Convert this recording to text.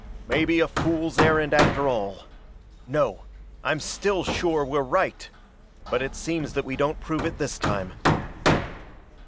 "Maybe a fool's errand after all. No I'm still sure we're right! But it seems that we don't prove it this time."